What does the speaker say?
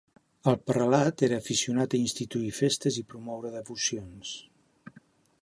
El prelat era aficionat a instituir festes i promoure devocions.